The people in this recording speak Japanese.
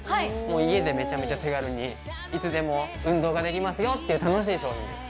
家でめちゃめちゃ手軽にいつでも運動ができますよっていう楽しい商品です。